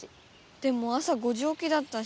でも朝５時おきだったし。